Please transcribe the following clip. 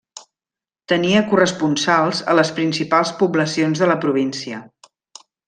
Tenia corresponsals a les principals poblacions de la província.